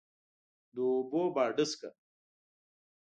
د اوبو باډسکه،